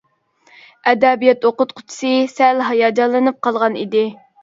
ئەدەبىيات ئوقۇتقۇچىسى سەل ھاياجانلىنىپ قالغان ئىدى.